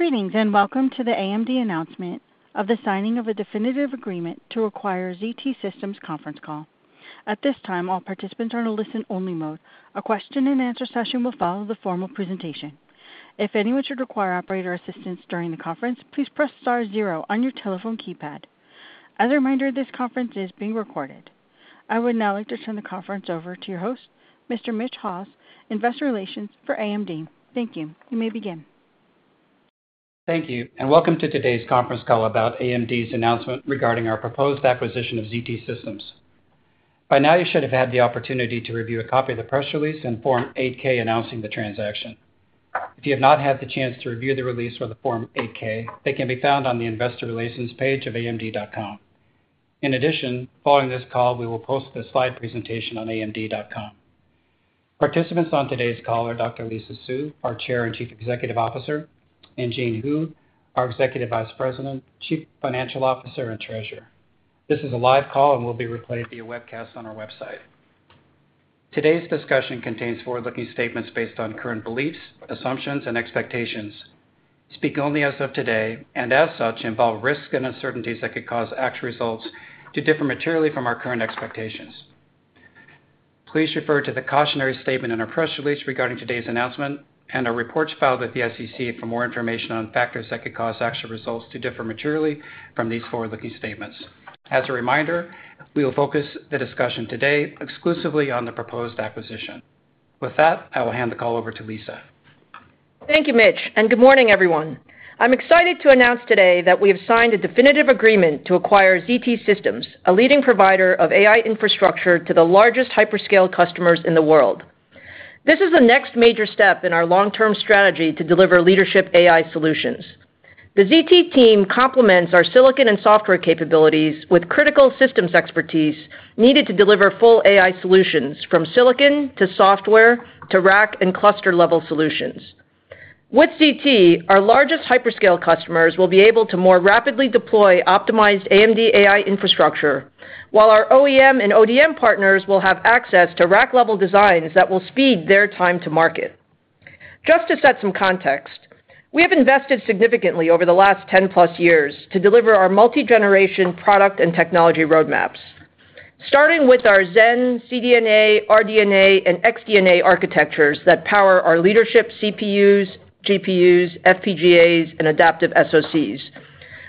Greetings, and welcome to the AMD announcement of the signing of a definitive agreement to acquire ZT Systems conference call. At this time, all participants are in a listen-only mode. A question and answer session will follow the formal presentation. If anyone should require operator assistance during the conference, please press star zero on your telephone keypad. As a reminder, this conference is being recorded. I would now like to turn the conference over to your host, Mr. Mitch Haws, Investor Relations for AMD. Thank you. You may begin. Thank you, and welcome to today's conference call about AMD's announcement regarding our proposed acquisition of ZT Systems. By now, you should have had the opportunity to review a copy of the press release and Form 8-K announcing the transaction. If you have not had the chance to review the release or the Form 8-K, they can be found on the Investor Relations page of amd.com. In addition, following this call, we will post the slide presentation on amd.com. Participants on today's call are Dr. Lisa Su, our Chair and Chief Executive Officer, and Jean Hu, our Executive Vice President, Chief Financial Officer, and Treasurer. This is a live call and will be replayed via webcast on our website. Today's discussion contains forward-looking statements based on current beliefs, assumptions, and expectations that speak only as of today, and as such, involve risks and uncertainties that could cause actual results to differ materially from our current expectations. Please refer to the cautionary statement in our press release regarding today's announcement and our reports filed with the SEC for more information on factors that could cause actual results to differ materially from these forward-looking statements. As a reminder, we will focus the discussion today exclusively on the proposed acquisition. With that, I will hand the call over to Lisa. Thank you, Mitch, and good morning, everyone. I'm excited to announce today that we have signed a definitive agreement to acquire ZT Systems, a leading provider of AI infrastructure to the largest hyperscale customers in the world. This is the next major step in our long-term strategy to deliver leadership AI solutions. The ZT team complements our silicon and software capabilities with critical systems expertise needed to deliver full AI solutions, from silicon to software to rack and cluster-level solutions. With ZT, our largest hyperscale customers will be able to more rapidly deploy optimized AMD AI infrastructure, while our OEM and ODM partners will have access to rack-level designs that will speed their time to market. Just to set some context, we have invested significantly over the last ten-plus years to deliver our multi-generation product and technology roadmaps. Starting with our Zen, CDNA, RDNA, and XDNA architectures that power our leadership CPUs, GPUs, FPGAs, and adaptive SoCs.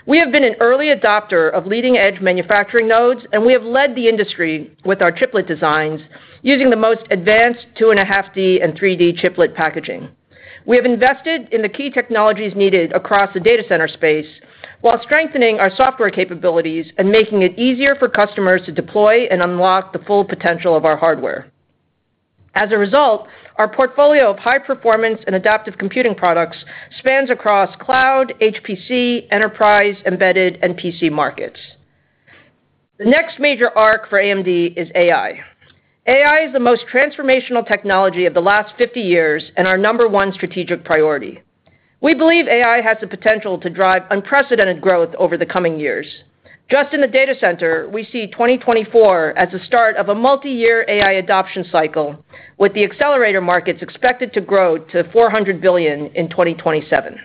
We have been an early adopter of leading-edge manufacturing nodes, and we have led the industry with our chiplet designs using the most advanced 2.5D and 3D chiplet packaging. We have invested in the key technologies needed across the data center space while strengthening our software capabilities and making it easier for customers to deploy and unlock the full potential of our hardware. As a result, our portfolio of high-performance and adaptive computing products spans across cloud, HPC, enterprise, embedded, and PC markets. The next major arc for AMD is AI. AI is the most transformational technology of the last 50 years and our number one strategic priority. We believe AI has the potential to drive unprecedented growth over the coming years. Just in the data center, we see 2024 as the start of a multi-year AI adoption cycle, with the accelerator markets expected to grow to $400 billion in 2027.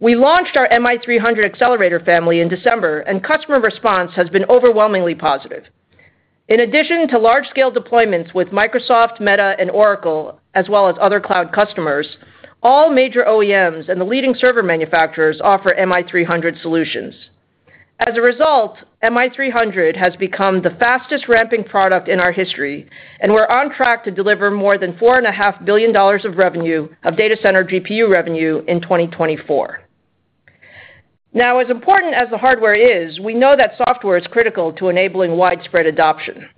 We launched our MI300 accelerator family in December, and customer response has been overwhelmingly positive. In addition to large-scale deployments with Microsoft, Meta, and Oracle, as well as other cloud customers, all major OEMs and the leading server manufacturers offer MI300 solutions. As a result, MI300 has become the fastest-ramping product in our history, and we're on track to deliver more than $4.5 billion of data center GPU revenue in 2024. Now, as important as the hardware is, we know that software is critical to enabling widespread adoption.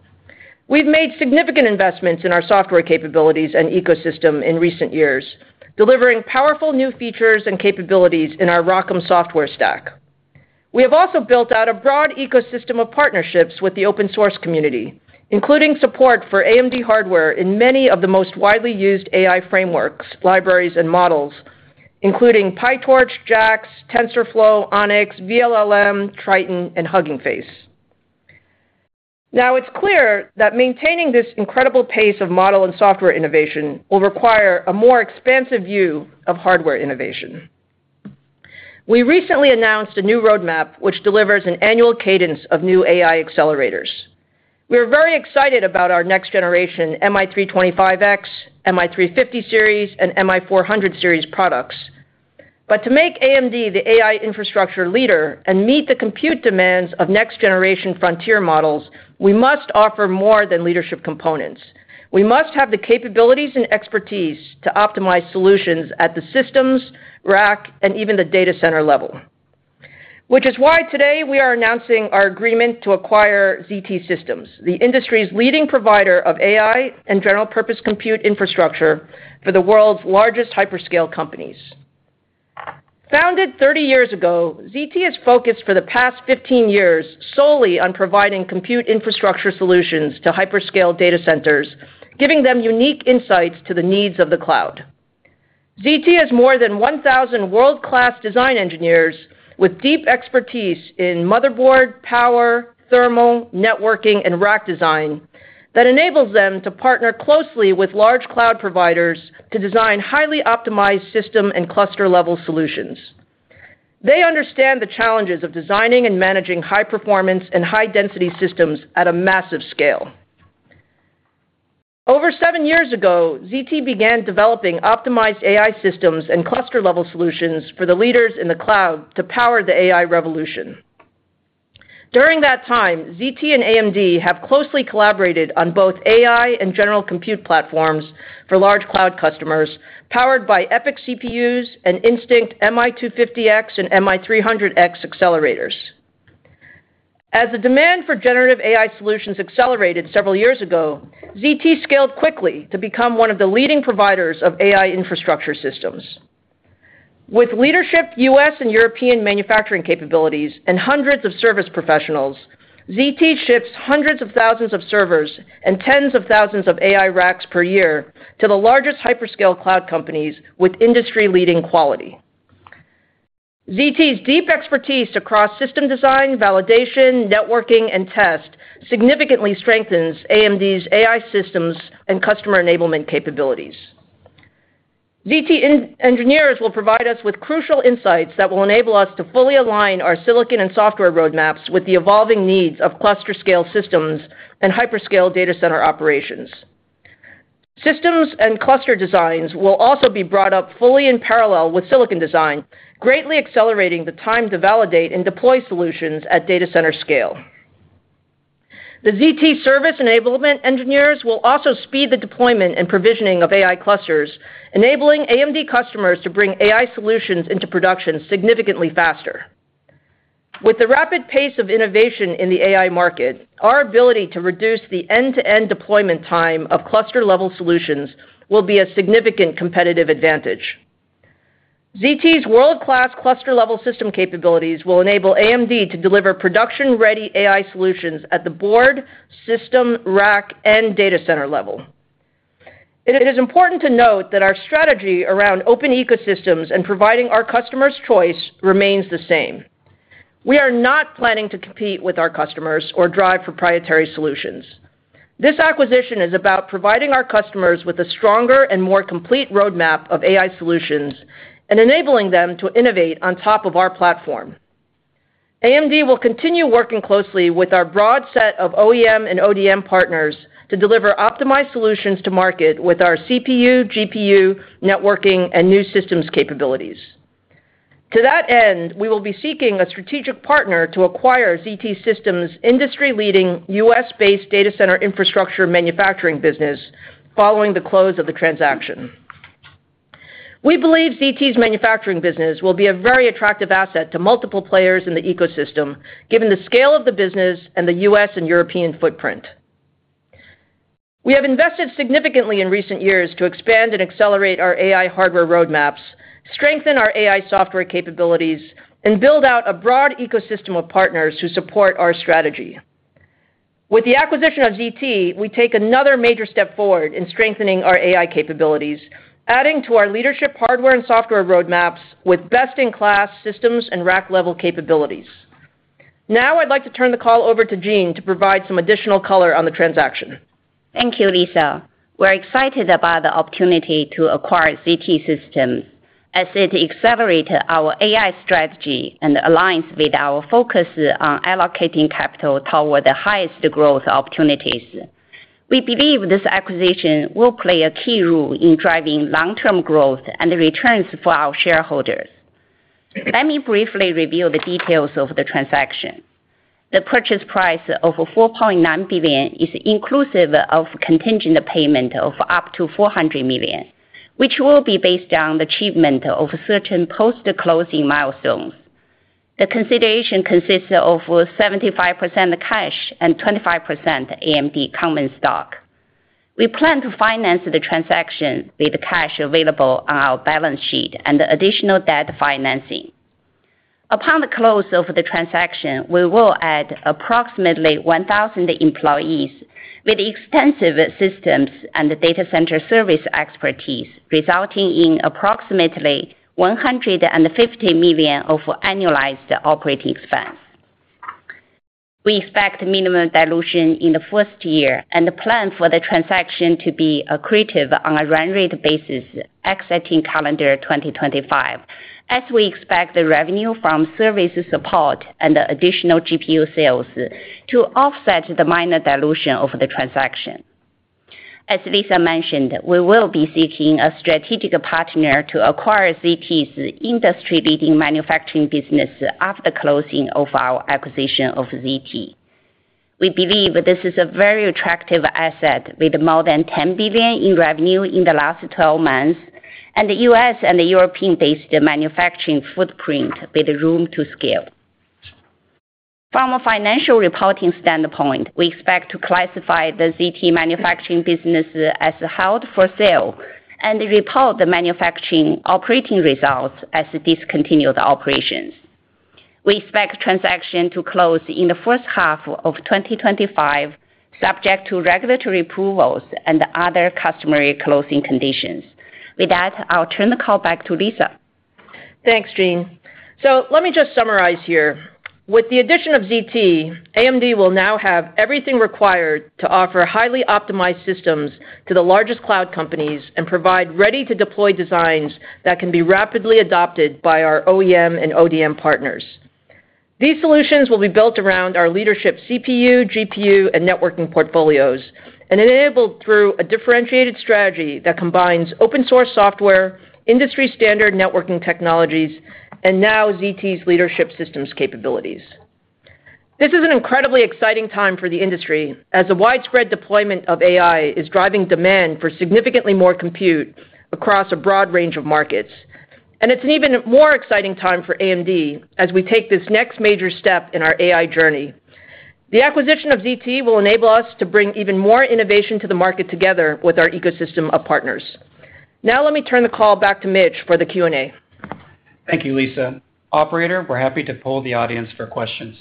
We've made significant investments in our software capabilities and ecosystem in recent years, delivering powerful new features and capabilities in our ROCm software stack. We have also built out a broad ecosystem of partnerships with the open source community, including support for AMD hardware in many of the most widely used AI frameworks, libraries, and models, including PyTorch, JAX, TensorFlow, ONNX, vLLM, Triton, and Hugging Face. Now, it's clear that maintaining this incredible pace of model and software innovation will require a more expansive view of hardware innovation. We recently announced a new roadmap, which delivers an annual cadence of new AI accelerators. We are very excited about our next generation MI325X, MI350 series, and MI400 series products. But to make AMD the AI infrastructure leader and meet the compute demands of next-generation frontier models, we must offer more than leadership components. We must have the capabilities and expertise to optimize solutions at the systems, rack, and even the data center level. Which is why today we are announcing our agreement to acquire ZT Systems, the industry's leading provider of AI and general-purpose compute infrastructure for the world's largest hyperscale companies. Founded 30 years ago, ZT has focused for the past 15 years solely on providing compute infrastructure solutions to hyperscale data centers, giving them unique insights to the needs of the cloud. ZT has more than 1,000 world-class design engineers with deep expertise in motherboard, power, thermal, networking, and rack design… that enables them to partner closely with large cloud providers to design highly optimized system and cluster-level solutions. They understand the challenges of designing and managing high performance and high-density systems at a massive scale. Over seven years ago, ZT began developing optimized AI systems and cluster-level solutions for the leaders in the cloud to power the AI revolution. During that time, ZT and AMD have closely collaborated on both AI and general compute platforms for large cloud customers, powered by EPYC CPUs and Instinct MI250X and MI300X accelerators. As the demand for generative AI solutions accelerated several years ago, ZT scaled quickly to become one of the leading providers of AI infrastructure systems. With leadership, U.S. and European manufacturing capabilities, and hundreds of service professionals, ZT ships hundreds of thousands of servers and tens of thousands of AI racks per year to the largest hyperscale cloud companies with industry-leading quality. ZT's deep expertise across system design, validation, networking, and test significantly strengthens AMD's AI systems and customer enablement capabilities. ZT engineers will provide us with crucial insights that will enable us to fully align our silicon and software roadmaps with the evolving needs of cluster scale systems and hyperscale data center operations. Systems and cluster designs will also be brought up fully in parallel with silicon design, greatly accelerating the time to validate and deploy solutions at data center scale. The ZT service enablement engineers will also speed the deployment and provisioning of AI clusters, enabling AMD customers to bring AI solutions into production significantly faster. With the rapid pace of innovation in the AI market, our ability to reduce the end-to-end deployment time of cluster-level solutions will be a significant competitive advantage. ZT's world-class cluster-level system capabilities will enable AMD to deliver production-ready AI solutions at the board, system, rack, and data center level. It is important to note that our strategy around open ecosystems and providing our customers choice remains the same. We are not planning to compete with our customers or drive proprietary solutions. This acquisition is about providing our customers with a stronger and more complete roadmap of AI solutions, and enabling them to innovate on top of our platform. AMD will continue working closely with our broad set of OEM and ODM partners to deliver optimized solutions to market with our CPU, GPU, networking, and new systems capabilities. To that end, we will be seeking a strategic partner to acquire ZT Systems' industry-leading, U.S.-based data center infrastructure manufacturing business, following the close of the transaction. We believe ZT Systems' manufacturing business will be a very attractive asset to multiple players in the ecosystem, given the scale of the business and the U.S. and European footprint. We have invested significantly in recent years to expand and accelerate our AI hardware roadmaps, strengthen our AI software capabilities, and build out a broad ecosystem of partners who support our strategy. With the acquisition of ZT, we take another major step forward in strengthening our AI capabilities, adding to our leadership, hardware and software roadmaps with best-in-class systems and rack-level capabilities. Now, I'd like to turn the call over to Jean to provide some additional color on the transaction. Thank you, Lisa. We're excited about the opportunity to acquire ZT Systems, as it accelerates our AI strategy and aligns with our focus on allocating capital toward the highest growth opportunities. We believe this acquisition will play a key role in driving long-term growth and the returns for our shareholders. Let me briefly review the details of the transaction. The purchase price of $4.9 billion is inclusive of contingent payment of up to $400 million, which will be based on the achievement of certain post-closing milestones. The consideration consists of 75% cash and 25% AMD common stock. We plan to finance the transaction with cash available on our balance sheet and additional debt financing. Upon the close of the transaction, we will add approximately one thousand employees with extensive systems and data center service expertise, resulting in approximately $150 million of annualized operating expense. We expect minimum dilution in the first year and plan for the transaction to be accretive on a run-rate basis, exiting calendar 2025, as we expect the revenue from service support and additional GPU sales to offset the minor dilution of the transaction. As Lisa mentioned, we will be seeking a strategic partner to acquire ZT's industry-leading manufacturing business after the closing of our acquisition of ZT. We believe this is a very attractive asset, with more than $10 billion in revenue in the last 12 months, and the U.S. and European-based manufacturing footprint with room to scale. From a financial reporting standpoint, we expect to classify the ZT manufacturing business as held for sale and report the manufacturing operating results as discontinued operations. We expect transaction to close in the first half of 2025, subject to regulatory approvals and other customary closing conditions. With that, I'll turn the call back to Lisa. Thanks, Jean, so let me just summarize here. With the addition of ZT, AMD will now have everything required to offer highly optimized systems to the largest cloud companies and provide ready-to-deploy designs that can be rapidly adopted by our OEM and ODM partners. These solutions will be built around our leadership CPU, GPU, and networking portfolios, and enabled through a differentiated strategy that combines open source software, industry standard networking technologies, and now ZT's leadership systems capabilities. This is an incredibly exciting time for the industry, as the widespread deployment of AI is driving demand for significantly more compute across a broad range of markets, and it's an even more exciting time for AMD as we take this next major step in our AI journey. The acquisition of ZT will enable us to bring even more innovation to the market together with our ecosystem of partners. Now let me turn the call back to Mitch for the Q&A. Thank you, Lisa. Operator, we're happy to poll the audience for questions.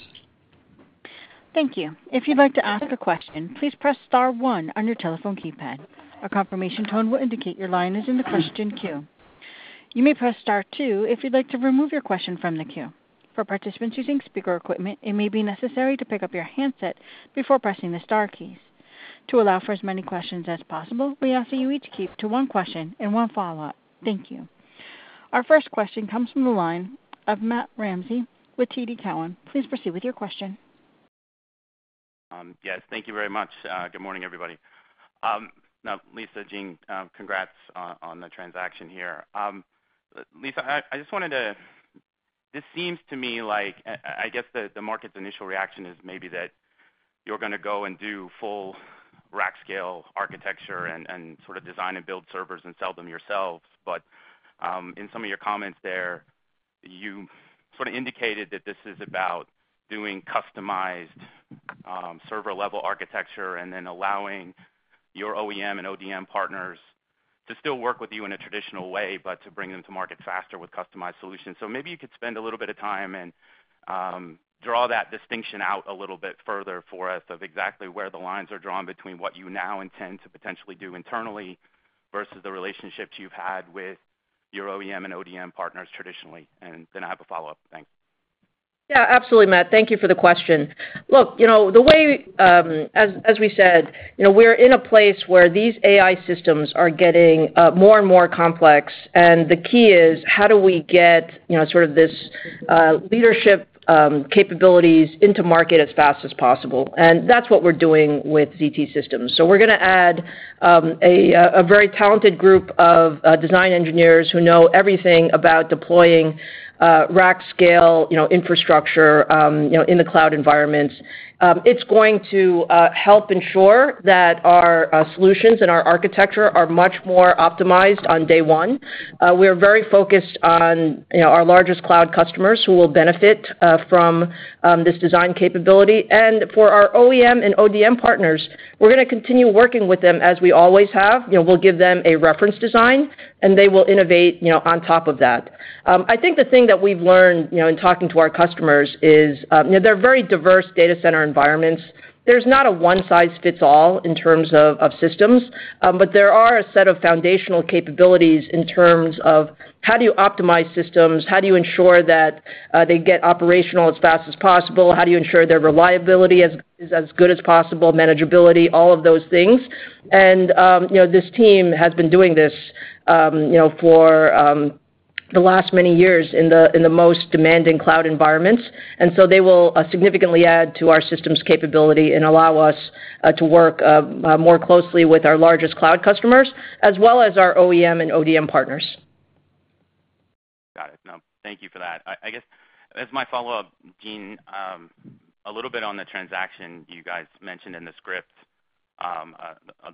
Thank you. If you'd like to ask a question, please press star one on your telephone keypad. A confirmation tone will indicate your line is in the question queue. You may press star two if you'd like to remove your question from the queue. For participants using speaker equipment, it may be necessary to pick up your handset before pressing the star keys. To allow for as many questions as possible, we ask that you each keep to one question and one follow-up. Thank you. Our first question comes from the line of Matt Ramsay with TD Cowen. Please proceed with your question. Yes, thank you very much. Good morning, everybody. Now, Lisa, Jean, congrats on the transaction here. Lisa, I just wanted to, this seems to me like, I guess the market's initial reaction is maybe that you're gonna go and do full rack-scale architecture and sort of design and build servers and sell them yourselves. But in some of your comments there, you sort of indicated that this is about doing customized server-level architecture and then allowing your OEM and ODM partners to still work with you in a traditional way, but to bring them to market faster with customized solutions. So maybe you could spend a little bit of time and draw that distinction out a little bit further for us of exactly where the lines are drawn between what you now intend to potentially do internally versus the relationships you've had with your OEM and ODM partners traditionally. And then I have a follow-up. Thanks. Yeah, absolutely, Matt. Thank you for the question. Look, you know, the way, as we said, you know, we're in a place where these AI systems are getting more and more complex, and the key is, how do we get, you know, sort of this leadership capabilities into market as fast as possible? And that's what we're doing with ZT Systems. So we're gonna add a very talented group of design engineers who know everything about deploying rack-scale, you know, infrastructure, you know, in the cloud environments. It's going to help ensure that our solutions and our architecture are much more optimized on day one. We're very focused on, you know, our largest cloud customers who will benefit from this design capability. And for our OEM and ODM partners, we're gonna continue working with them as we always have. You know, we'll give them a reference design, and they will innovate, you know, on top of that. I think the thing that we've learned, you know, in talking to our customers is, you know, they're very diverse data center environments. There's not a one-size-fits-all in terms of of systems, but there are a set of foundational capabilities in terms of how do you optimize systems? How do you ensure that they get operational as fast as possible? How do you ensure their reliability is as good as possible, manageability, all of those things? And, you know, this team has been doing this, you know, for the last many years in the most demanding cloud environments. And so they will significantly add to our systems capability and allow us to work more closely with our largest cloud customers, as well as our OEM and ODM partners. Got it. Now, thank you for that. I guess as my follow-up, Jean, a little bit on the transaction, you guys mentioned in the script,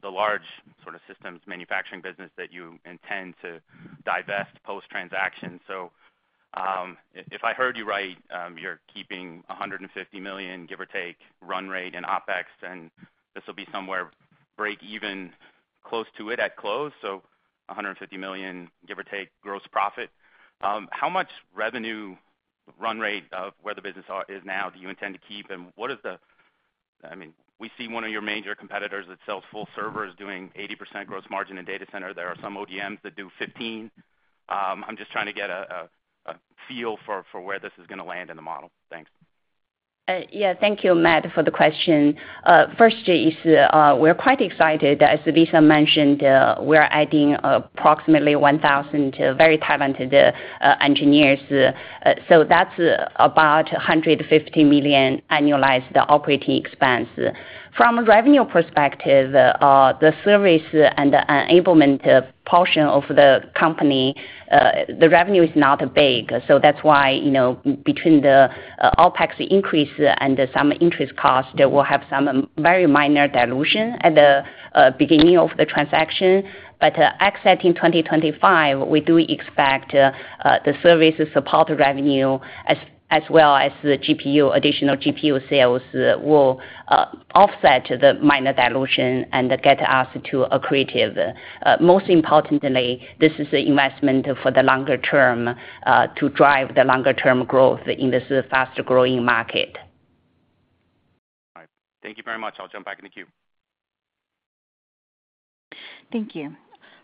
the large sort of systems manufacturing business that you intend to divest post-transaction. So, if I heard you right, you're keeping $150 million, give or take, run rate and OpEx, then this will be somewhere break even, close to it at close, so $150 million, give or take, gross profit. How much revenue run rate of where the business is now do you intend to keep? And what is the... I mean, we see one of your major competitors that sells full servers doing 80% gross margin in data center. There are some ODMs that do 15%. I'm just trying to get a feel for where this is gonna land in the model. Thanks. Yeah, thank you, Matt, for the question. First is, we're quite excited. As Lisa mentioned, we're adding approximately 1,000 very talented engineers. So that's about $150 million annualized operating expense. From a revenue perspective, the service and the enablement portion of the company, the revenue is not big. So that's why, you know, between the OpEx increase and some interest costs, there will have some very minor dilution at the beginning of the transaction. But exiting 2025, we do expect the services support revenue as well as the additional GPU sales will offset the minor dilution and get us to accretive. Most importantly, this is an investment for the longer term to drive the longer term growth in this fast-growing market. All right. Thank you very much. I'll jump back in the queue. Thank you.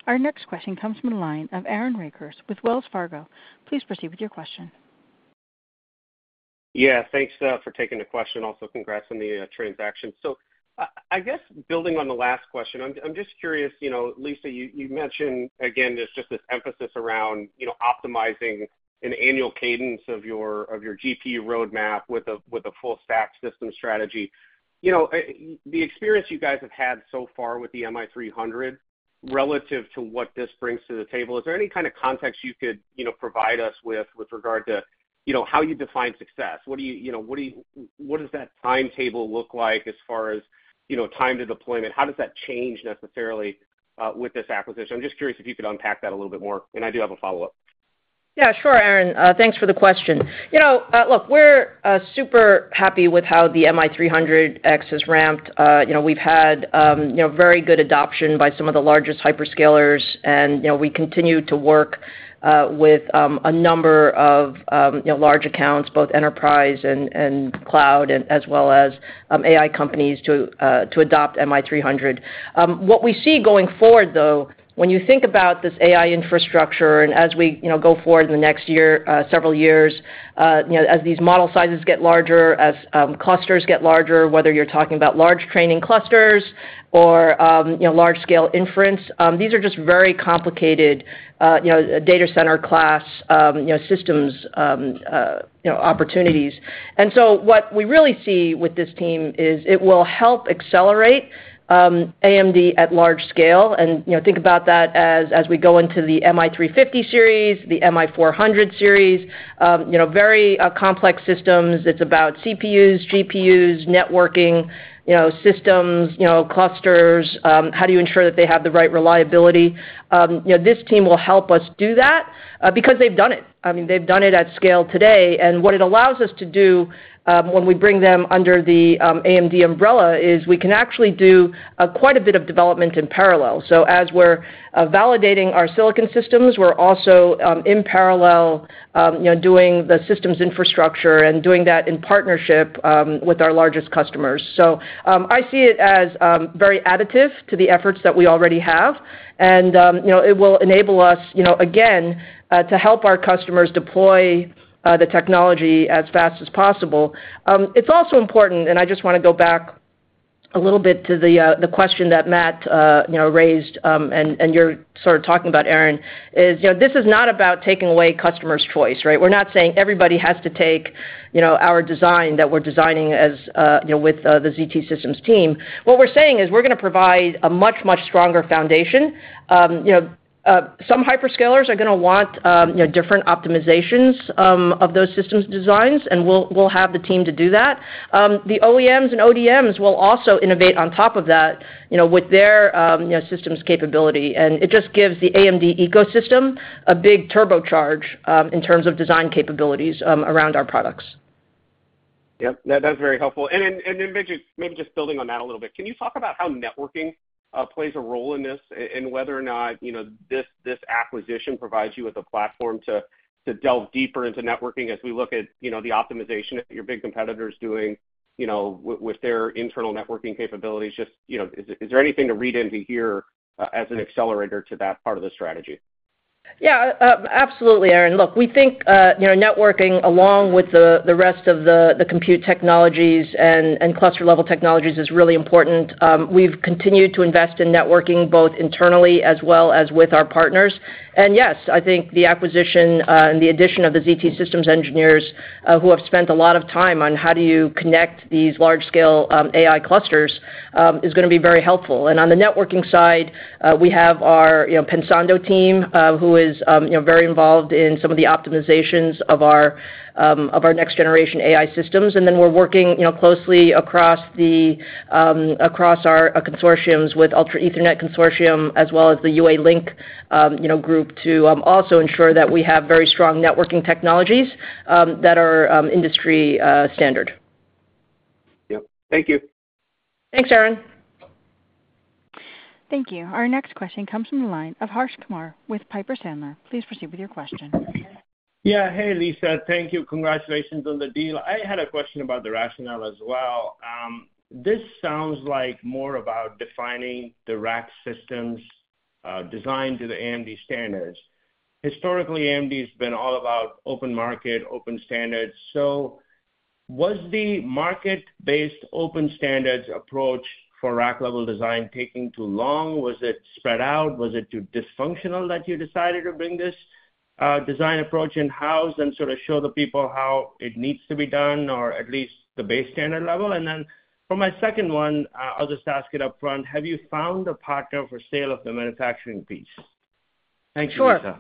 Our next question comes from the line of Aaron Rakers with Wells Fargo. Please proceed with your question. Yeah, thanks for taking the question. Also, congrats on the transaction. So, I guess building on the last question, I'm just curious, you know, Lisa, you mentioned again, there's just this emphasis around, you know, optimizing an annual cadence of your, of your GPU roadmap with a full stack system strategy. You know, the experience you guys have had so far with the MI300 relative to what this brings to the table, is there any kind of context you could, you know, provide us with, with regard to, you know, how you define success? What do you, you know, what does that timetable look like as far as, you know, time to deployment? How does that change necessarily with this acquisition? I'm just curious if you could unpack that a little bit more, and I do have a follow-up. Yeah, sure, Aaron. Thanks for the question. You know, look, we're super happy with how the MI300X has ramped. You know, we've had you know, very good adoption by some of the largest hyperscalers, and, you know, we continue to work with a number of you know, large accounts, both enterprise and cloud, as well as AI companies to adopt MI300. What we see going forward, though, when you think about this AI infrastructure and as we you know, go forward in the next year, several years you know, as these model sizes get larger, as clusters get larger, whether you're talking about large training clusters or you know, large-scale inference, these are just very complicated you know, data center class you know, systems you know, opportunities. And so what we really see with this team is it will help accelerate AMD at large scale, and you know, think about that as we go into the MI350 series, the MI400 series, you know, very complex systems. It's about CPUs, GPUs, networking, you know, systems, you know, clusters. How do you ensure that they have the right reliability? You know, this team will help us do that, because they've done it. I mean, they've done it at scale today, and what it allows us to do, when we bring them under the AMD umbrella, is we can actually do quite a bit of development in parallel, so as we're validating our silicon systems, we're also in parallel, you know, doing the systems infrastructure and doing that in partnership with our largest customers. I see it as very additive to the efforts that we already have, and you know, it will enable us, you know, again, to help our customers deploy the technology as fast as possible. It's also important, and I just wanna go back a little bit to the question that Matt you know raised, and you're sort of talking about, Aaron, is you know this is not about taking away customers' choice, right? We're not saying everybody has to take you know our design that we're designing as you know with the ZT Systems team. What we're saying is we're gonna provide a much much stronger foundation. You know some hyperscalers are gonna want you know different optimizations of those systems designs, and we'll have the team to do that. The OEMs and ODMs will also innovate on top of that, you know, with their, you know, systems capability, and it just gives the AMD ecosystem a big turbocharge, in terms of design capabilities, around our products. Yep, that's very helpful. And then maybe just building on that a little bit, can you talk about how networking plays a role in this, and whether or not, you know, this acquisition provides you with a platform to delve deeper into networking as we look at, you know, the optimization that your big competitors are doing, you know, with their internal networking capabilities? Just, you know, is there anything to read into here, as an accelerator to that part of the strategy? Yeah, absolutely, Aaron. Look, we think, you know, networking, along with the rest of the compute technologies and cluster-level technologies, is really important. We've continued to invest in networking, both internally as well as with our partners. And yes, I think the acquisition and the addition of the ZT Systems engineers, who have spent a lot of time on how do you connect these large-scale AI clusters, is gonna be very helpful. And on the networking side, we have our, you know, Pensando team, who is, you know, very involved in some of the optimizations of our next-generation AI systems. And then we're working, you know, closely across our consortiums with Ultra Ethernet Consortium as well as the UALink, you know, group to also ensure that we have very strong networking technologies that are industry standard. Yep. Thank you. Thanks, Aaron. Thank you. Our next question comes from the line of Harsh Kumar with Piper Sandler. Please proceed with your question. Yeah. Hey, Lisa. Thank you. Congratulations on the deal. I had a question about the rationale as well. This sounds like more about defining the rack systems designed to the AMD standards. Historically, AMD's been all about open market, open standards. So was the market-based open standards approach for rack-level design taking too long? Was it spread out? Was it too dysfunctional that you decided to bring this design approach in-house and sort of show the people how it needs to be done, or at least the base standard level? And then for my second one, I'll just ask it upfront: Have you found a partner for sale of the manufacturing piece? Thanks, Lisa. Sure.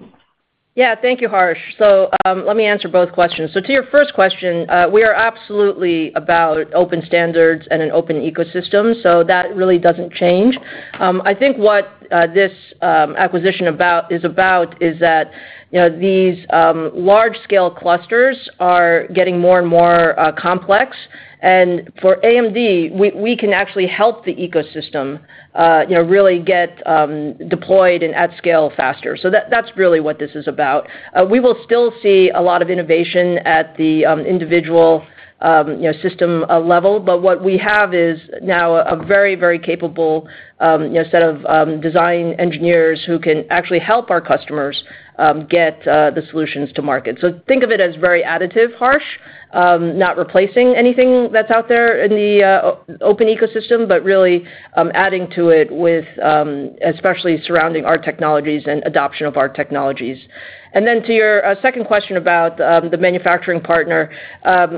Yeah, thank you, Harsh. So, let me answer both questions. So to your first question, we are absolutely about open standards and an open ecosystem, so that really doesn't change. I think what this acquisition is about is that, you know, these large-scale clusters are getting more and more complex. And for AMD, we can actually help the ecosystem, you know, really get deployed and at scale faster. So that, that's really what this is about. We will still see a lot of innovation at the individual, you know, system level. But what we have is now a very, very capable, you know, set of design engineers who can actually help our customers get the solutions to market. So think of it as very additive, Harsh. Not replacing anything that's out there in the open ecosystem, but really adding to it with especially surrounding our technologies and adoption of our technologies. And then to your second question about the manufacturing partner.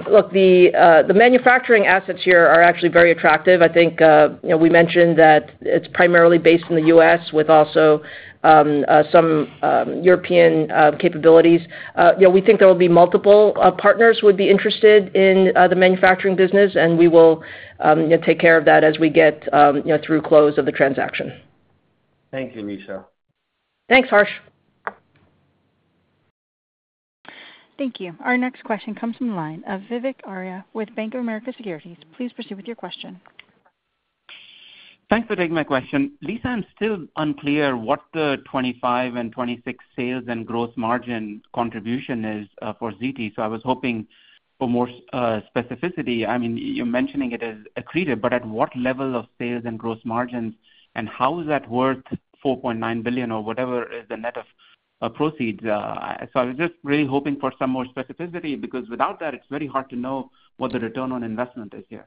Look, the manufacturing assets here are actually very attractive. I think, you know, we mentioned that it's primarily based in the U.S., with also some European capabilities. You know, we think there will be multiple partners who would be interested in the manufacturing business, and we will, you know, take care of that as we get, you know, through close of the transaction. Thank you, Lisa. Thanks, Harsh. Thank you. Our next question comes from the line of Vivek Arya with Bank of America Securities. Please proceed with your question. Thanks for taking my question. Lisa, I'm still unclear what the 2025 and 2026 sales and gross margin contribution is for ZT, so I was hoping for more specificity. I mean, you're mentioning it as accretive, but at what level of sales and gross margins, and how is that worth $4.9 billion or whatever is the net of proceeds? So I was just really hoping for some more specificity, because without that, it's very hard to know what the return on investment is here.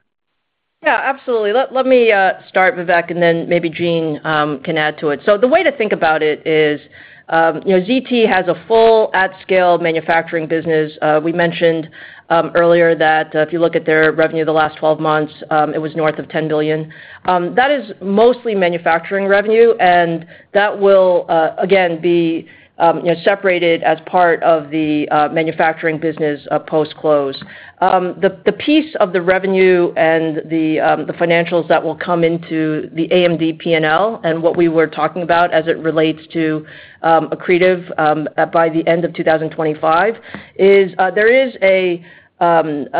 Yeah, absolutely. Let me start, Vivek, and then maybe Jean can add to it. So the way to think about it is, you know, ZT has a full at-scale manufacturing business. We mentioned earlier that if you look at their revenue the last 12 months, it was north of $10 billion. That is mostly manufacturing revenue, and that will again be, you know, separated as part of the manufacturing business post-close. The piece of the revenue and the financials that will come into the AMD P&L, and what we were talking about as it relates to accretive by the end of 2025, is there is a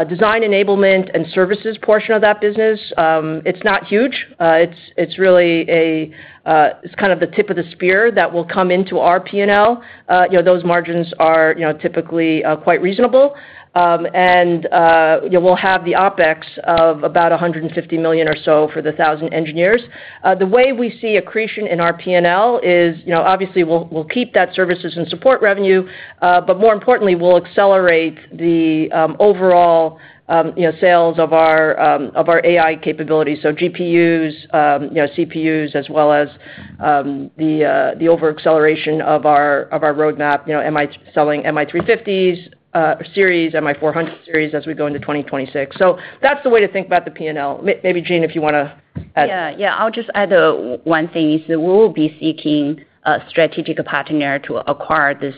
design enablement and services portion of that business. It's not huge. It's really the tip of the spear that will come into our P&L. You know, those margins are, you know, typically quite reasonable. You know, we'll have the OpEx of about $150 million or so for the 1,000 engineers. The way we see accretion in our P&L is, you know, obviously we'll keep that services and support revenue, but more importantly, we'll accelerate the overall, you know, sales of our AI capabilities. So GPUs, you know, CPUs, as well as the over-acceleration of our roadmap. You know, selling MI350 series, MI400 series as we go into 2026. So that's the way to think about the P&L. Maybe, Jean, if you wanna add? Yeah, yeah. I'll just add, one thing is that we will be seeking a strategic partner to acquire this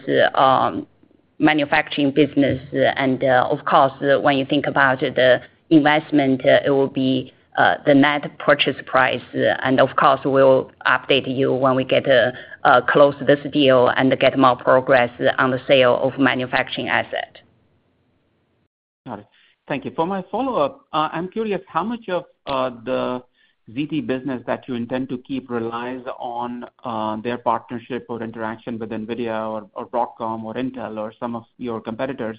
manufacturing business. And, of course, when you think about the investment, it will be the net purchase price. And of course, we'll update you when we get close this deal and get more progress on the sale of manufacturing asset. Got it. Thank you. For my follow-up, I'm curious how much of the ZT business that you intend to keep relies on their partnership or interaction with NVIDIA or Broadcom or Intel or some of your competitors,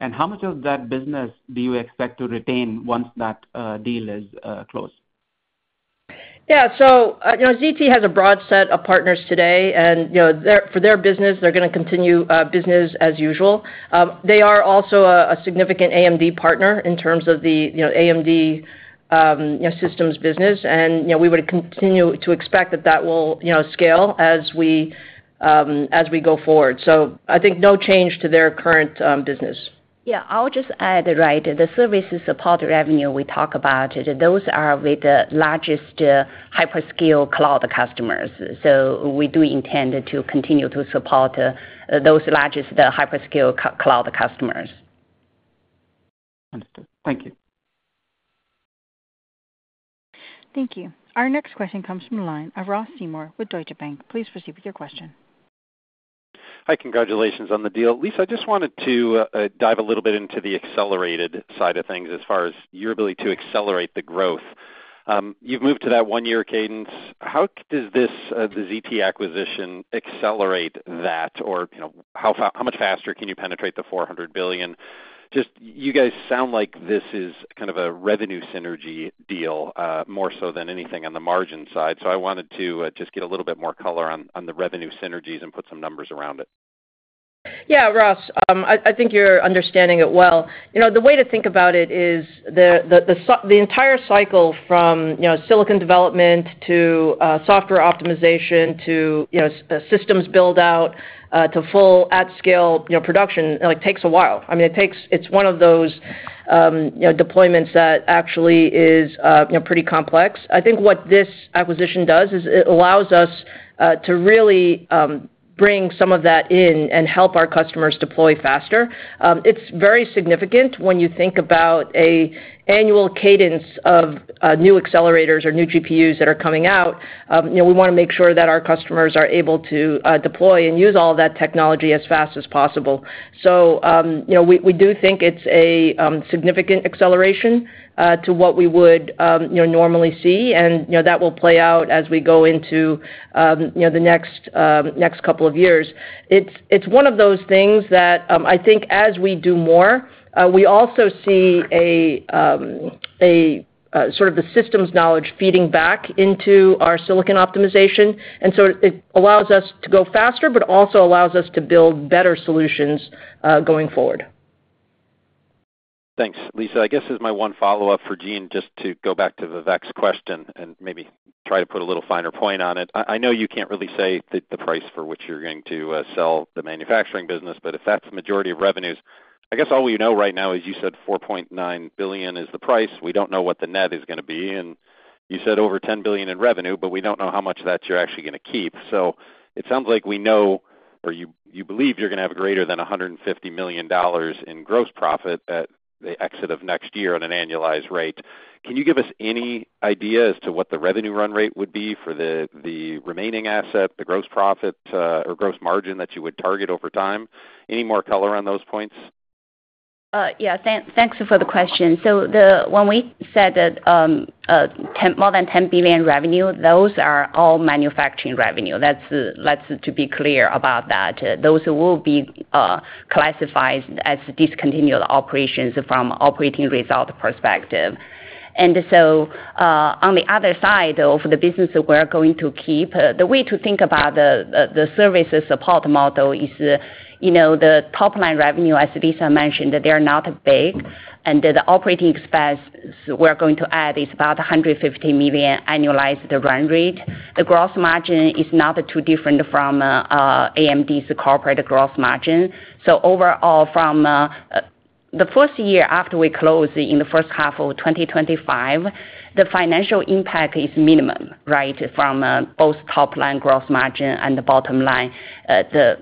and how much of that business do you expect to retain once that deal is closed? Yeah. So, you know, ZT has a broad set of partners today, and, you know, they're gonna continue business as usual. They are also a significant AMD partner in terms of the, you know, AMD, you know, systems business. And, you know, we would continue to expect that, that will, you know, scale as we, as we go forward. So I think no change to their current business. Yeah, I'll just add, right, the services support revenue we talk about, those are with the largest hyperscale cloud customers. So we do intend to continue to support those largest hyperscale cloud customers. Understood. Thank you. Thank you. Our next question comes from the line of Ross Seymore with Deutsche Bank. Please proceed with your question. Hi. Congratulations on the deal. Lisa, I just wanted to dive a little bit into the accelerated side of things as far as your ability to accelerate the growth. You've moved to that one-year cadence. How does this, the ZT acquisition accelerate that? Or, you know, how much faster can you penetrate the $400 billion? Just... you guys sound like this is kind of a revenue synergy deal, more so than anything on the margin side. So I wanted to just get a little bit more color on the revenue synergies and put some numbers around it. Yeah, Ross, I think you're understanding it well. You know, the way to think about it is the entire cycle from, you know, silicon development to software optimization, to, you know, systems build-out to full at-scale, you know, production. It, like, takes a while. I mean, it takes. It's one of those, you know, deployments that actually is, you know, pretty complex. I think what this acquisition does is it allows us to really bring some of that in and help our customers deploy faster. It's very significant when you think about an annual cadence of new accelerators or new GPUs that are coming out. You know, we wanna make sure that our customers are able to deploy and use all that technology as fast as possible. So, you know, we do think it's a significant acceleration to what we would, you know, normally see, and, you know, that will play out as we go into, you know, the next couple of years. It's one of those things that I think as we do more, we also see a sort of the systems knowledge feeding back into our silicon optimization. And so it allows us to go faster, but also allows us to build better solutions going forward. Thanks, Lisa. I guess as my one follow-up for Jean, just to go back to Vivek's question and maybe try to put a little finer point on it. I know you can't really say the price for which you're going to sell the manufacturing business, but if that's the majority of revenues, I guess all we know right now is you said $4.9 billion is the price. We don't know what the net is gonna be, and you said over $10 billion in revenue, but we don't know how much of that you're actually gonna keep. So it sounds like we know or you believe you're gonna have greater than $150 million in gross profit at the exit of next year on an annualized rate. Can you give us any idea as to what the revenue run rate would be for the remaining asset, the gross profit, or gross margin that you would target over time? Any more color on those points? Yeah, thanks for the question. So when we said that, more than $10 billion revenue, those are all manufacturing revenue. Let's to be clear about that. Those will be classified as discontinued operations from operating result perspective. And so, on the other side, though, for the business that we're going to keep, the way to think about the services support model is, you know, the top-line revenue, as Lisa mentioned, that they are not big, and the operating expense we're going to add is about $150 million annualized the run rate. The gross margin is not too different from AMD's corporate gross margin. So overall, from the first year after we close in the first half of 2025, the financial impact is minimum, right? From both top line gross margin and the bottom line, the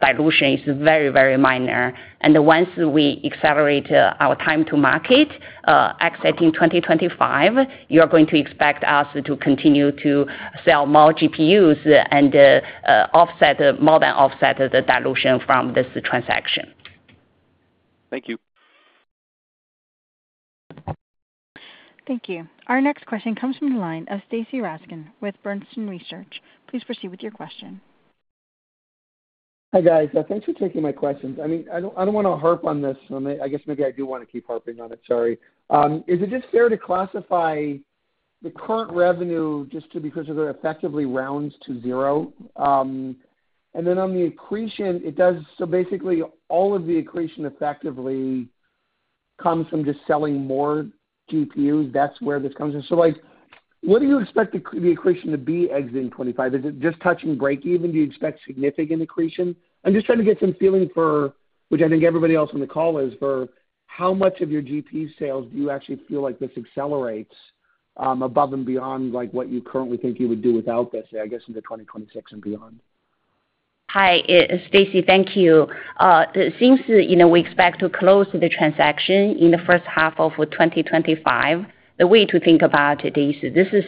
dilution is very, very minor. And once we accelerate our time to market exiting 2025, you're going to expect us to continue to sell more GPUs and offset more than offset the dilution from this transaction. Thank you. Thank you. Our next question comes from the line of Stacy Rasgon with Bernstein Research. Please proceed with your question. Hi, guys. Thanks for taking my questions. I mean, I don't, I don't wanna harp on this. I guess maybe I do wanna keep harping on it, sorry. Is it just fair to classify the current revenue just because it effectively rounds to zero? And then on the accretion, it does... So basically, all of the accretion effectively comes from just selling more GPUs. That's where this comes in. So, like, what do you expect the accretion to be exiting 2025? Is it just touching break even? Do you expect significant accretion? I'm just trying to get some feeling for, which I think everybody else on the call is, for how much of your GPU sales do you actually feel like this accelerates, above and beyond, like, what you currently think you would do without this, I guess, into 2026 and beyond? Hi, Stacy. Thank you. Since you know we expect to close the transaction in the first half of 2025, the way to think about it is this is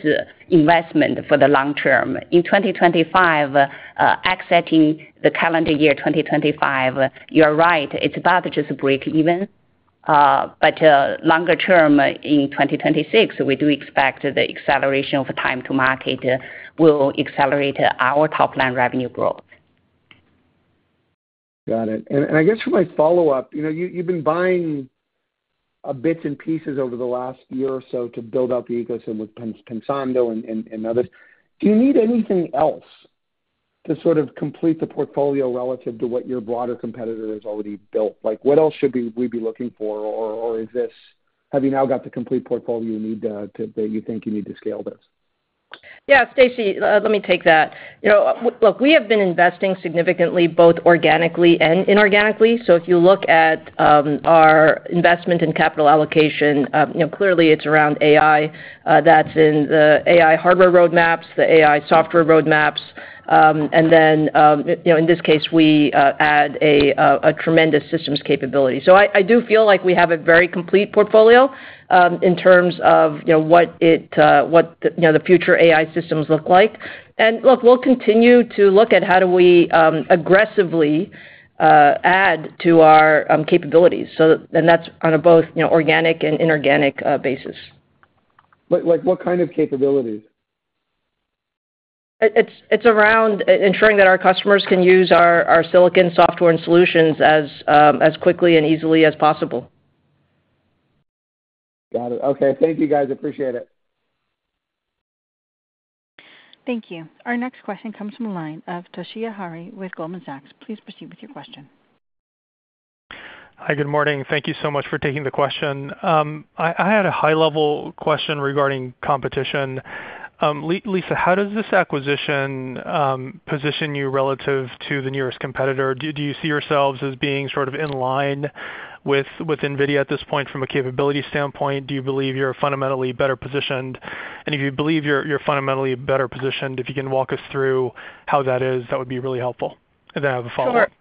investment for the long term. In 2025, exiting the calendar year 2025, you're right, it's about just break even, but longer term in 2026, we do expect the acceleration of time to market will accelerate our top-line revenue growth. Got it. And I guess for my follow-up, you know, you've been buying bits and pieces over the last year or so to build out the ecosystem with Pensando and others. Do you need anything else to sort of complete the portfolio relative to what your broader competitor has already built? Like, what else should we be looking for, or have you now got the complete portfolio you need to that you think you need to scale this? Yeah, Stacy, let me take that. You know, look, we have been investing significantly, both organically and inorganically. So if you look at, our investment in capital allocation, you know, clearly it's around AI, that's in the AI hardware roadmaps, the AI software roadmaps, and then, you know, in this case, we add a tremendous systems capability. So I do feel like we have a very complete portfolio, in terms of, you know, what the future AI systems look like. And look, we'll continue to look at how do we, aggressively, add to our, capabilities. So and that's on a both, you know, organic and inorganic, basis. Like, what kind of capabilities? It's around ensuring that our customers can use our silicon software and solutions as quickly and easily as possible. Got it. Okay. Thank you, guys. Appreciate it. Thank you. Our next question comes from the line of Toshiya Hari with Goldman Sachs. Please proceed with your question. Hi, good morning. Thank you so much for taking the question. I had a high-level question regarding competition. Lisa, how does this acquisition position you relative to the nearest competitor? Do you see yourselves as being sort of in line with NVIDIA at this point from a capability standpoint? Do you believe you're fundamentally better positioned? And if you believe you're fundamentally better positioned, if you can walk us through how that is, that would be really helpful. And then I have a follow-up. Sure.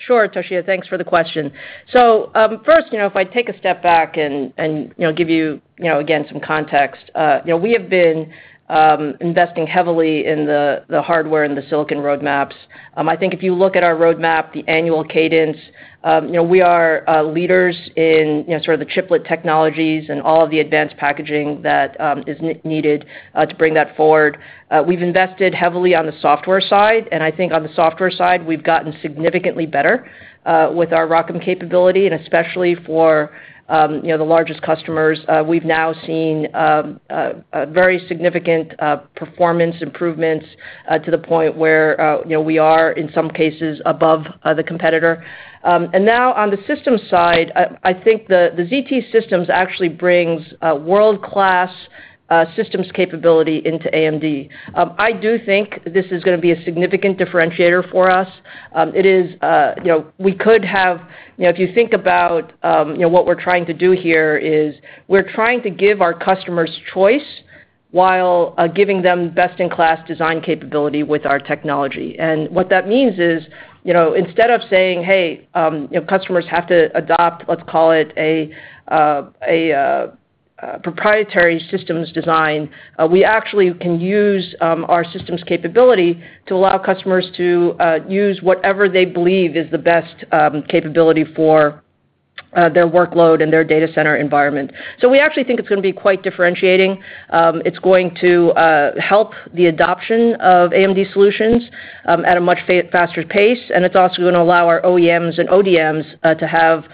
Sure, Toshiya, thanks for the question. So, first, you know, if I take a step back and you know, give you, you know, again, some context. You know, we have been investing heavily in the hardware and the silicon roadmaps. I think if you look at our roadmap, the annual cadence, you know, we are leaders in, you know, sort of the chiplet technologies and all of the advanced packaging that is needed to bring that forward. We've invested heavily on the software side, and I think on the software side, we've gotten significantly better with our ROCm capability, and especially for you know, the largest customers. We've now seen a very significant performance improvements to the point where you know we are in some cases above the competitor, and now on the systems side I think the ZT Systems actually brings a world-class systems capability into AMD. It is. You know, we could have. You know, if you think about you know what we're trying to do here is we're trying to give our customers choice while giving them best-in-class design capability with our technology. And what that means is, you know, instead of saying, "Hey, you know, customers have to adopt," let's call it a proprietary systems design, we actually can use our systems capability to allow customers to use whatever they believe is the best capability for their workload and their data center environment. So we actually think it's gonna be quite differentiating. It's going to help the adoption of AMD solutions at a much faster pace, and it's also gonna allow our OEMs and ODMs to have,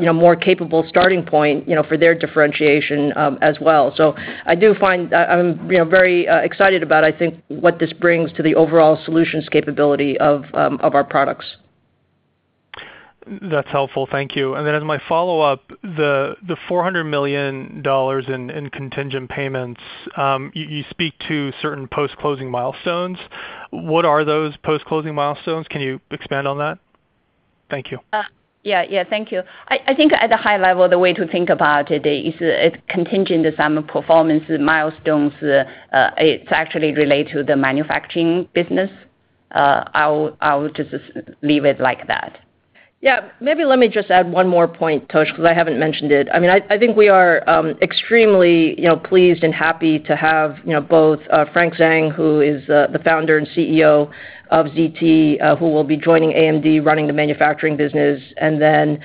you know, more capable starting point, you know, for their differentiation as well. So I do find I'm, you know, very excited about, I think, what this brings to the overall solutions capability of our products. That's helpful. Thank you. And then as my follow-up, the $400 million in contingent payments, you speak to certain post-closing milestones. What are those post-closing milestones? Can you expand on that? Thank you. Yeah, yeah. Thank you. I think at a high level, the way to think about it is, it's contingent on some performance milestones. It's actually related to the manufacturing business. I'll just leave it like that. Yeah. Maybe let me just add one more point, Tosh, because I haven't mentioned it. I mean, I think we are extremely, you know, pleased and happy to have, you know, both, Frank Zhang, who is the founder and CEO of ZT, who will be joining AMD, running the manufacturing business. And then,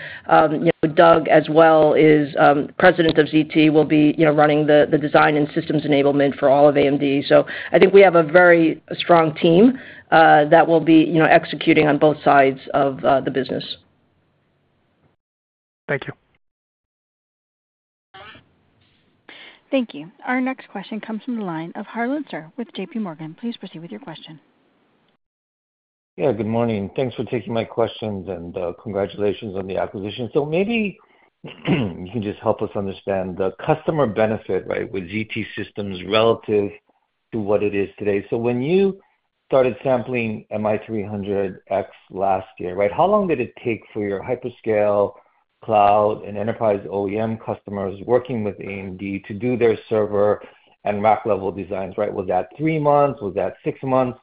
you know, Doug, as well, is president of ZT, will be, you know, running the design and systems enablement for all of AMD. So I think we have a very strong team that will be, you know, executing on both sides of the business. Thank you. Thank you. Our next question comes from the line of Harlan Sur with JPMorgan. Please proceed with your question. Yeah, good morning. Thanks for taking my questions, and congratulations on the acquisition. So maybe you can just help us understand the customer benefit, right, with ZT Systems relative to what it is today. So when you started sampling MI300X last year, right, how long did it take for your hyperscale, cloud, and enterprise OEM customers working with AMD to do their server and rack level designs, right? Was that three months? Was that six months?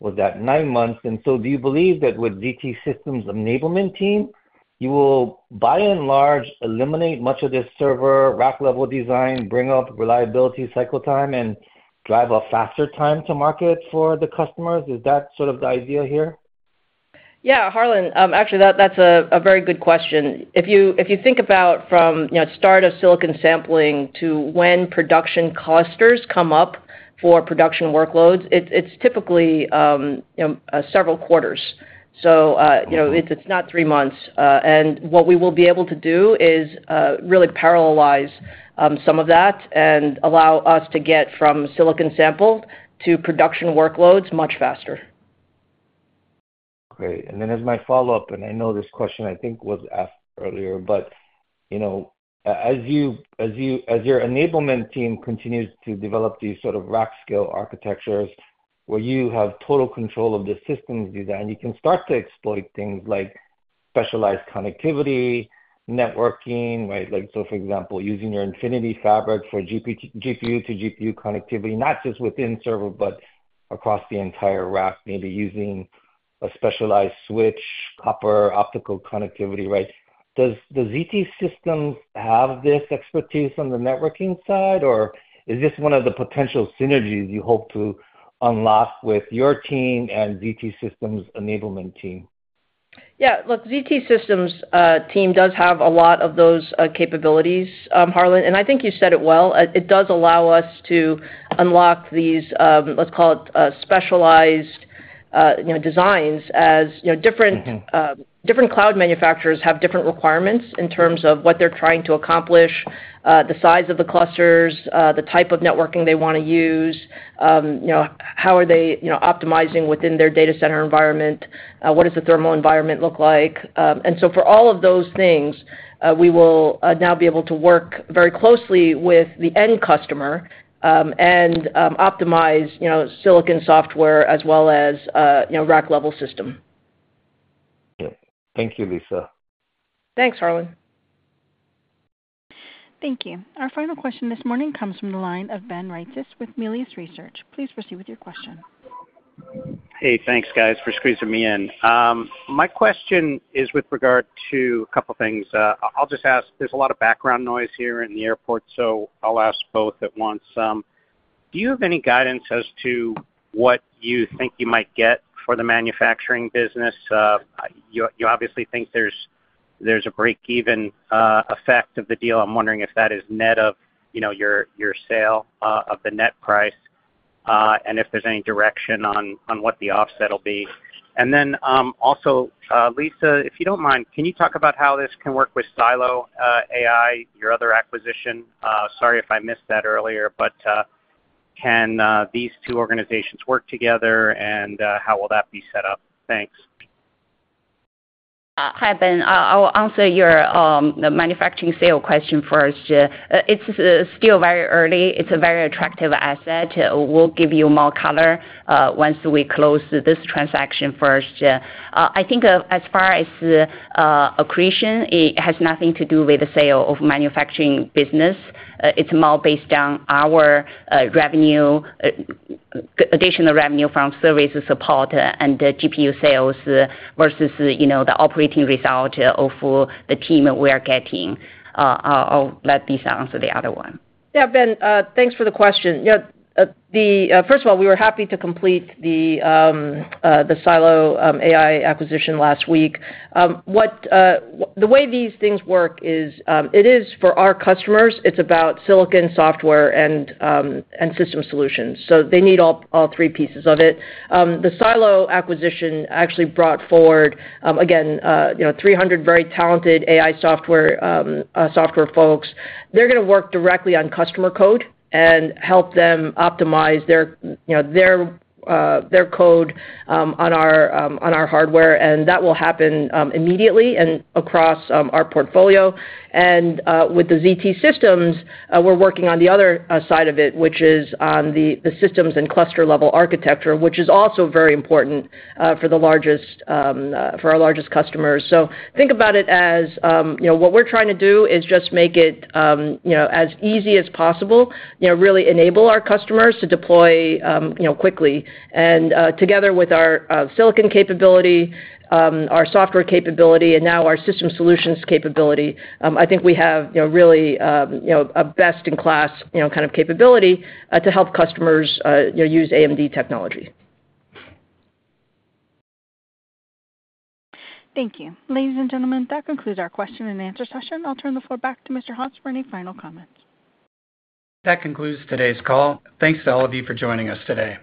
Was that nine months? And so do you believe that with ZT Systems' enablement team, you will, by and large, eliminate much of this server, rack level design, bring up reliability, cycle time, and drive a faster time to market for the customers? Is that sort of the idea here? Yeah, Harlan, actually, that's a very good question. If you think about from, you know, start of silicon sampling to when production clusters come up for production workloads, it's typically, you know, several quarters. So, you know- Mm-hmm. It's not three months, and what we will be able to do is really parallelize some of that and allow us to get from silicon sample to production workloads much faster. Great. And then as my follow-up, and I know this question, I think, was asked earlier, but, you know, as your enablement team continues to develop these sort of rack-scale architectures, where you have total control of the system's design, you can start to exploit things like specialized connectivity, networking, right? Like, so for example, using your Infinity Fabric for GPU to GPU connectivity, not just within server, but across the entire rack, maybe using a specialized switch, copper, optical connectivity, right? Does ZT Systems have this expertise on the networking side, or is this one of the potential synergies you hope to unlock with your team and ZT Systems' enablement team? Yeah. Look, ZT Systems' team does have a lot of those capabilities, Harlan, and I think you said it well. It does allow us to unlock these, let's call it, specialized, you know, designs, as, you know- Mm-hmm Different cloud manufacturers have different requirements in terms of what they're trying to accomplish, the size of the clusters, the type of networking they wanna use. You know, how are they, you know, optimizing within their data center environment? What does the thermal environment look like? And so for all of those things, we will now be able to work very closely with the end customer, and, optimize, you know, silicon software as well as, you know, rack level system. Thank you, Lisa. Thanks, Harlan. Thank you. Our final question this morning comes from the line of Ben Reitzes with Melius Research. Please proceed with your question. Hey, thanks, guys, for squeezing me in. My question is with regard to a couple of things. I'll just ask, there's a lot of background noise here in the airport, so I'll ask both at once. Do you have any guidance as to what you think you might get for the manufacturing business? You obviously think there's a break even effect of the deal. I'm wondering if that is net of, you know, your sale of the net price, and if there's any direction on what the offset will be. And then, also, Lisa, if you don't mind, can you talk about how this can work with Silo AI, your other acquisition? Sorry if I missed that earlier, but can these two organizations work together, and how will that be set up? Thanks. Hi, Ben. I'll answer your the manufacturing sale question first. It's still very early. It's a very attractive asset. We'll give you more color once we close this transaction first. I think as far as accretion it has nothing to do with the sale of manufacturing business. It's more based on our additional revenue from services support and the GPU sales versus you know the operating result of the team we are getting. I'll let Lisa answer the other one. Yeah, Ben, thanks for the question. Yeah, the first of all, we were happy to complete the Silo AI acquisition last week. The way these things work is, it is for our customers, it's about silicon software and system solutions, so they need all three pieces of it. The Silo acquisition actually brought forward again, you know, 300 very talented AI software folks. They're gonna work directly on customer code and help them optimize their, you know, their code on our hardware, and that will happen immediately and across our portfolio. And with the ZT Systems, we're working on the other side of it, which is on the systems and cluster-level architecture, which is also very important for our largest customers. So think about it as, you know, what we're trying to do is just make it, you know, as easy as possible, you know, really enable our customers to deploy, you know, quickly. And together with our silicon capability, our software capability, and now our system solutions capability, I think we have, you know, really, you know, a best-in-class, you know, kind of capability to help customers, you know, use AMD technology. Thank you. Ladies and gentlemen, that concludes our question and answer session. I'll turn the floor back to Mr. Mitch for any final comments. That concludes today's call. Thanks to all of you for joining us today.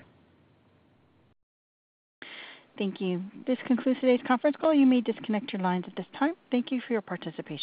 Thank you. This concludes today's conference call. You may disconnect your lines at this time. Thank you for your participation.